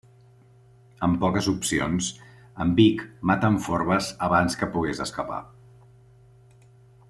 Amb poques opcions, en Vic mata en Forbes abans que pugues escapar.